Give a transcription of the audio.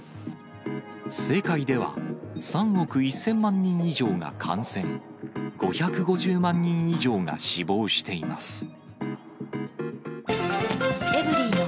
世界では、３億１０００万人以上が感染、５５０万人以上が死亡しています。